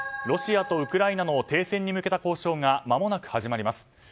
ロシアとウクライナの停戦に向けた交渉がまもなく始まります。